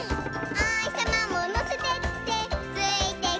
「おひさまものせてってついてくるよ」